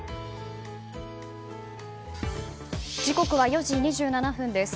時刻は４時２７分です。